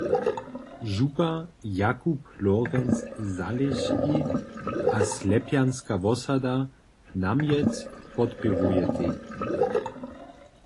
Župa Jakub Lorenc-Zalěski a Slepjanska wosada namjet podpěrujetej.